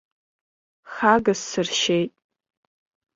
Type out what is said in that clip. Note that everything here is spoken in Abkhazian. Хагас сыршьеит.